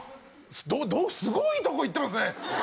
すごいとこいってますね